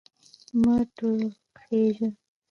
مه ټوخیژه